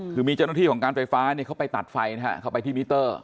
คือมีเจ้าหน้าที่ของการไฟฟ้าเขาไปตัดไฟนะฮะเข้าไปที่มิเตอร์